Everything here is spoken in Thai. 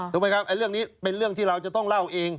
ถูกไหมครับเรื่องนี้เป็นเรื่องที่เราจะต้องเล่าเอง